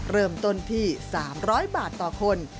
เริ่มต้นที่๓๐๐บาทต่อคน